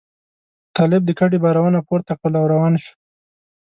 طالب د کډې بارونه پورته کړل او روان شو.